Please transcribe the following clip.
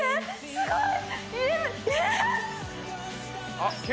すごい。